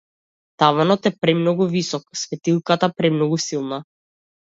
Таванот е премногу висок, светилката премногу силна.